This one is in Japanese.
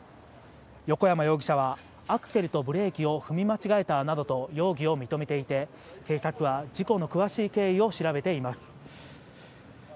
横山容疑者は、アクセルとブレーキを踏み間違えたなどと容疑を認めていて、警察は事故の詳しい経緯を調べています。